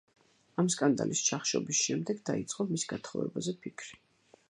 ამ სკანდალის ჩახშობის შემდეგ, დაიწყო მის გათხოვებაზე ფიქრი.